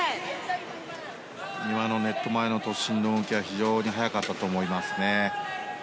今のネット前の突進の動きは非常に速かったと思いますね。